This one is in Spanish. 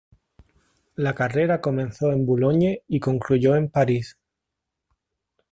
La carrera comenzó en Boulogne y concluyó en París.